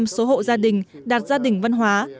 chín mươi hai năm số hộ gia đình đạt gia đình văn hóa